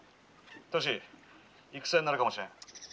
歳戦になるかもしれん」。